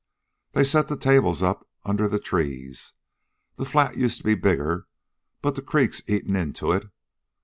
They set the tables up under the trees. The flat used to be bigger, but the creek's eaten into it.